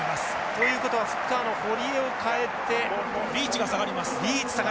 ということはフッカーの堀江を代えてリーチ下がりました。